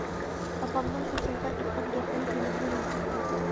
ئاپامنىڭ شۇ چاغدا ئېيتقان گەپلىرى دىلىمنى رەنجىتتى.